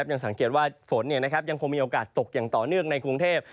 ยังสังเกตว่าฝนยังคงมีโอกาสตกอย่างต่อเนื่องในกรุงเทพ